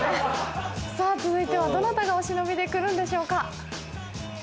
さぁ続いてはどなたがお忍びで来るんでしょうか。